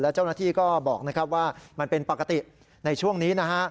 เจ้าหน้าที่ก็บอกนะครับว่ามันเป็นปกติในช่วงนี้นะฮะ